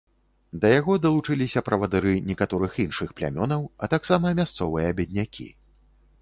Да яго далучыліся правадыры некаторых іншых плямёнаў, а таксама мясцовыя беднякі.